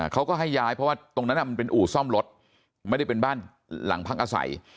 เขาก็ให้ย้ายเพราะว่าตรงนั้นมันเป็นอู่ซ่อมรถไม่ได้เป็นบ้านหลังพักอาศัย